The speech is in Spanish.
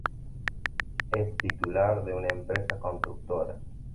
Es titular de una empresa constructora.